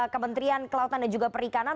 kementerian kelautan dan juga perikanan